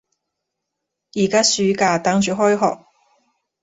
而家暑假，等住開學